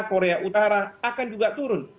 korea utara akan juga turun